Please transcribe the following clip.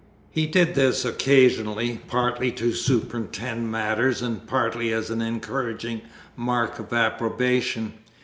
He did this occasionally, partly to superintend matters, and partly as an encouraging mark of approbation.